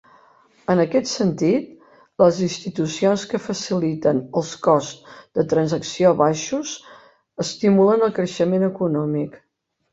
En aquest sentit, les institucions que faciliten els costs de transacció baixos estimulen el creixement econòmic.